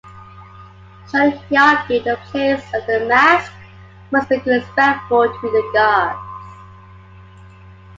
Surely, he argue, the plays and the masks must be disrespectful to the gods.